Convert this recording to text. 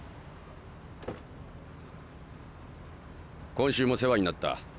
今週も世話になった。